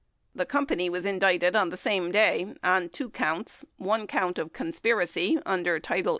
The company was indicted on the same day on two counts, one count of conspiracy under 18 U.S.